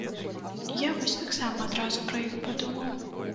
Я вось таксама адразу пра іх падумаў.